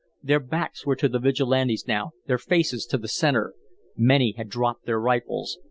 Their backs were to the Vigilantes now, their faces to the centre. Many had dropped their rifles.